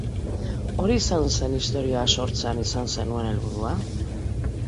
Hori izan zen istorioa sortzean izan zenuen helburua?